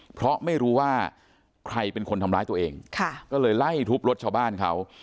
เพราะไม่รู้ว่าใครเป็นคนทำร้ายตัวเองก็เลยไล่ทุบรถชาวบ้านเขา